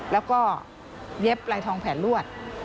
แล้วก็เย็บลายทองแผนลวด